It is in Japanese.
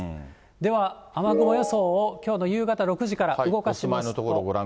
では雨雲予想をきょうの夕方６時から動かしますと。